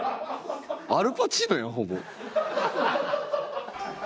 アル・パチーノやんほぼ。